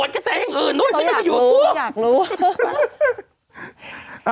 เจี๊ยบมาค่ะ